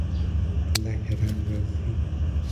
لگد اندازی